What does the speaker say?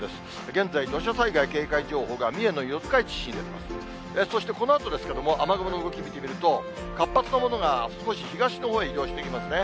現在、土砂災害警戒情報が三重の四日市市にそしてこのあとですけども、雨雲の動き見てみると、活発なものが少し東のほうに移動してきますね。